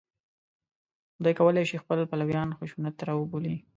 دوی کولای شي خپل پلویان خشونت ته راوبولي